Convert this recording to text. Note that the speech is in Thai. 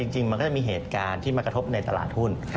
จริงมันก็จะมีเหตุการณ์ที่มากระทบในตลาดหุ้น